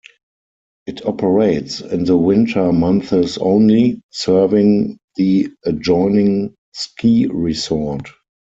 It operates in the winter months only, serving the adjoining ski resort.